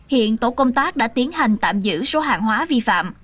hiện tổ công tác đã tiến hành tạm giữ số hàng hóa vi phạm